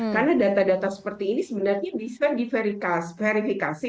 karena data data seperti ini sebenarnya bisa diverifikasi